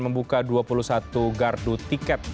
membuka dua puluh satu gardu tiket